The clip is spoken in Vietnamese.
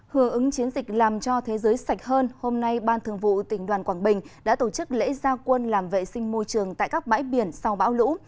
hứa ứng chiến dịch làm cho thế giới sạch hơn hôm nay ban thường vụ tỉnh đoàn quảng bình đã tổ chức lễ gia quân làm vệ sinh môi trường tại các bãi biển sau bão lũ